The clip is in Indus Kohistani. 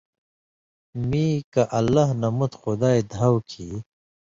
(میں کہ اللہ نہ مُت خدائ دھاؤ کھیں)